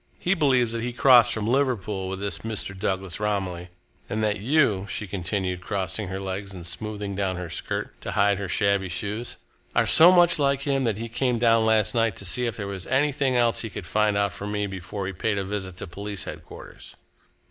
"He believes that he crossed from Liverpool with this Mr. Douglas Romilly, and that you," she continued, crossing her legs and smoothing down her skirt to hide her shabby shoes, "are so much like him that he came down last night to see if there was anything else he could find out from me before he paid a visit to police headquarters."